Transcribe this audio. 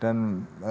dan dia kabur